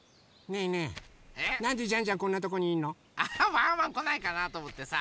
ワンワンこないかなとおもってさ